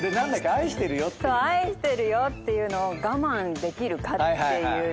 「愛してるよ」っていうのを我慢できるかっていうの。